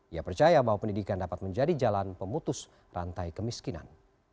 ia percaya bahwa pendidikan dapat menjadi jalan pemutus rantai kemiskinan